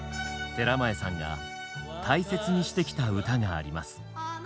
寺前さんが大切にしてきた歌があります。